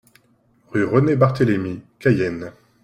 Rue René Barthélémi, Cayenne